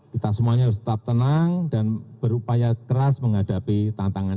kita semuanya harus tetap tenang dan berupaya keras menghadapi tantangan